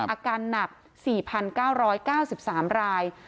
อาการหนัก๔๙๙๓ราย